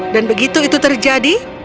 dan begitu itu terjadi